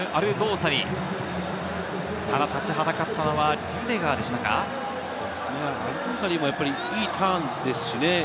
アルドーサリもいいターンですね。